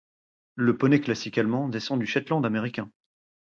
Le Poney classique allemand descend du Shetland américain.